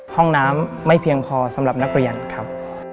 ห้องน้ำไม่เพียงพอสำหรับนักเรียนครับ